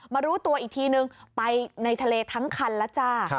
รู้ตัวอีกทีนึงไปในทะเลทั้งคันแล้วจ้า